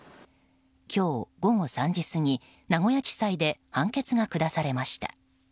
今日午後３時過ぎ名古屋地裁で判決が下されました。